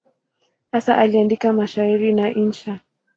Hasa aliandika mashairi na insha.